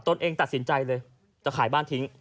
เองตัดสินใจเลยจะขายบ้านทิ้ง